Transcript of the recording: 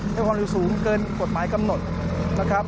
ความเร็วสูงเกินกฎหมายกำหนดนะครับ